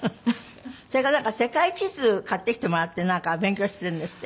それからなんか世界地図買ってきてもらってなんか勉強してるんですって？